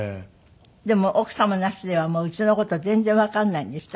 でも奥様なしでは家の事全然わからないんですって？